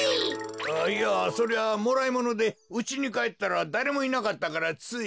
あっいやそれはもらいものでうちにかえったらだれもいなかったからつい。